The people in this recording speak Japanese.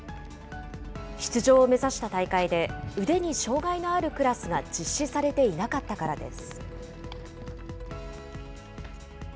出場を目指した大会で、腕に障害のあるクラスが実施されていなかったからです。